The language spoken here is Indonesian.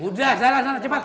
udah jalan jalan cepat